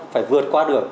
phải vượt qua được